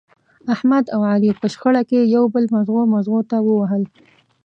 احمد او علي په شخړه کې یو بل مغزو مغزو ته ووهل.